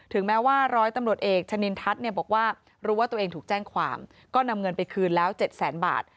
แม้ว่าร้อยตำรวจเอกชะนินทัศน์เนี่ยบอกว่ารู้ว่าตัวเองถูกแจ้งความก็นำเงินไปคืนแล้ว๗แสนบาท